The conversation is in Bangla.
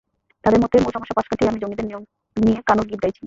তাঁদের মতে, মূল সমস্যা পাশ কাটিয়ে আমি জঙ্গিদের নিয়ে কানুর গীত গাইছি।